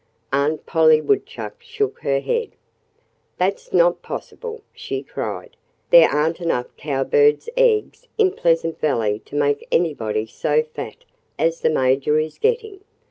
Aunt Polly Woodchuck shook her head. "That's not possible," she cried. "There aren't enough Cowbirds' eggs in Pleasant Valley to make anybody so fat as the Major is getting.